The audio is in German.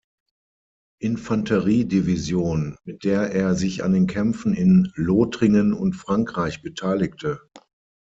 Infanterie-Division, mit der er sich an den Kämpfen in Lothringen und Frankreich beteiligte.